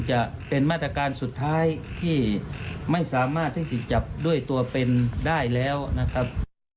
จะเป็นมาตรการสุดท้ายที่ไม่สามารถใช้สิทธิ์จับด้วยตัวเป็นได้แล้วนะครับ